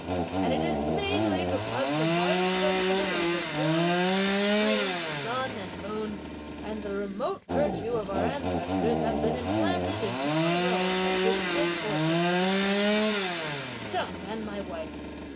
And it is mainly because the vital principle of the hills, streams, sun, and moon, and the remote virtue of our ancestors have been implanted in you alone that this good fortune has attained me Cheng and my wife!